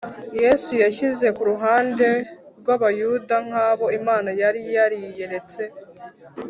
. Yesu yishyize ku ruhande rw’Abayuda nk’abo Imana yari yariyeretse.